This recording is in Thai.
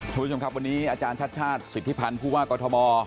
สวัสดีครับวันนี้อาจารย์ชัดชาติสุทธิพันธ์ภูวากรทม